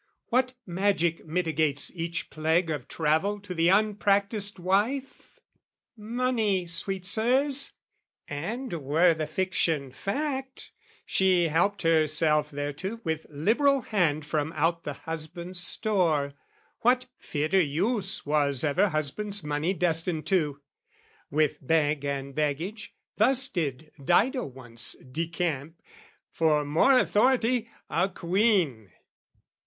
What magic mitigates Each plague of travel to the unpractised wife? Money, sweet Sirs! And were the fiction fact, She helped herself thereto with liberal hand From out the husband's store, what fitter use Was ever husband's money destined to? With bag and baggage thus did Dido once Decamp, for more authority, a queen!